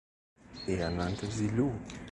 Er nannte sie „Lu“.